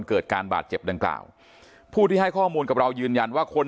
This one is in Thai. เกิดการบาดเจ็บดังกล่าวผู้ที่ให้ข้อมูลกับเรายืนยันว่าคน